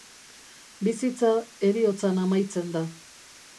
Bizitza heriotzan amaitzen da.